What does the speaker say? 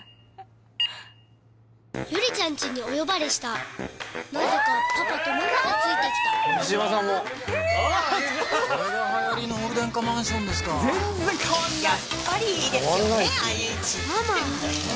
ゆりちゃんちにお呼ばれしたなぜかパパとママがついてきたこれがはやりのオール電化マンションですかやっぱりいいですよね